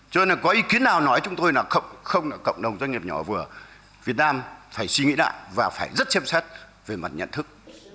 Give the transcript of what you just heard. cho nên là có ý kiến nào nói chúng tôi là không là cộng đồng doanh nghiệp nhỏ và vừa việt nam phải suy nghĩ lại và phải rất xem xét về mặt nhận thức